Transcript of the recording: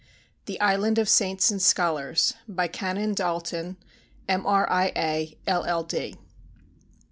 THE ISLAND OF SAINTS AND SCHOLARS By CANON D'ALTON, M.R.I.A., LL.D.